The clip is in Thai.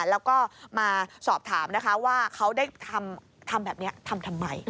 แล้วก็มาสอบถามนะคะว่าเขาได้ทำแบบนี้ทำทำไม